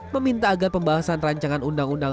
meminta agar pembahasan rancangan undang undang